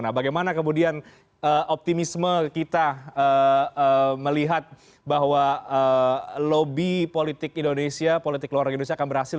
nah bagaimana kemudian optimisme kita melihat bahwa lobby politik indonesia politik luar negeri indonesia akan berhasil